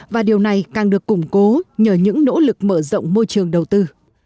và điều này càng được củng cố nhờ những nỗ lực mở rộng môi trường đầu tư